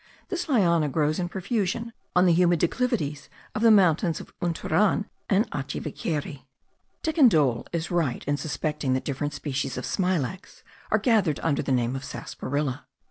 This liana grows in profusion on the humid declivities of the mountains of Unturan and Achivaquery. Decandolle is right in suspecting that different species of smilax are gathered under the name of sarsaparilla.